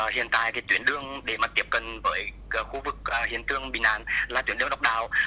hiện tại thì tuyển đường để mà tiếp cận với khu vực hiện trường bị nạn là tuyển đường độc đảo